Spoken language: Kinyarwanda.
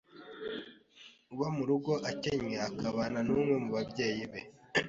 uba mu muryango ukennye akabana n umwe mu babyeyi be